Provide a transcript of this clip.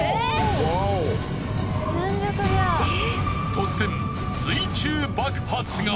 突然水中爆発が！